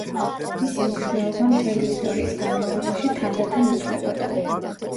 მისი მნიშვნელობა მთელი ისტორიის განმავლობაში თანდათან იცვლებოდა.